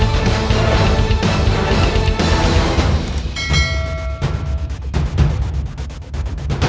bisa heleaonya cepat pertamathis